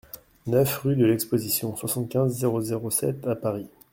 neuf rue de l'Exposition, soixante-quinze, zéro zéro sept à Paris